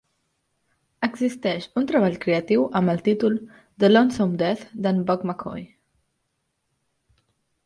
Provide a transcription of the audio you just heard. Existeix un treball creatiu amb el títol "The Lonesome Death" d'en Buck McCoy